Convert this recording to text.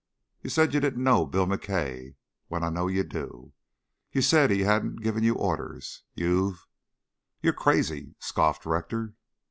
You said you didn't know Bill McKay when I know you do. You've said he hadn't given you any orders. You've " "You're crazy," scoffed Rector.